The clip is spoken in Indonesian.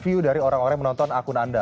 view dari orang orang yang menonton akun anda